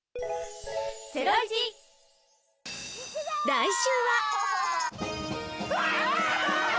来週は。